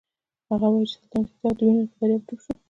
هغه وايي چې سلطنتي تخت د وینو په دریاب ډوب شو.